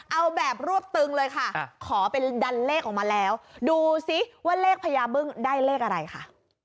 เอาแบบรวบตึงเลยค่ะขอเป็นดันเลขออกมาแล้วดูซิว่าเลขพญาบึ้งได้เลขอะไรค่ะ